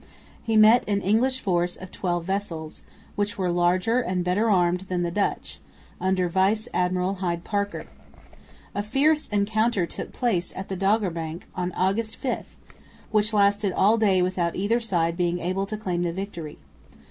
He met an English force of twelve vessels, which were larger and better armed than the Dutch, under Vice Admiral Hyde Parker. A fierce encounter took place at the Doggerbank on August 5, which lasted all day without either side being able to claim the victory.